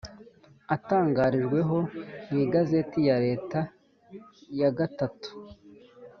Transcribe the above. atangarijweho mu Igazeti ya Leta ya gatatu